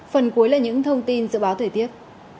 phần cuối là những thông tin dự báo thời tiết